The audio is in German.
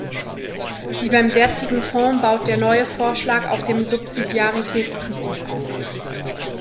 Wie beim derzeitigen Fonds baut der neue Vorschlag auf dem Subsidiaritätsprinzip auf.